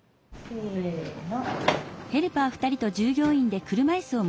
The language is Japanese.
せの。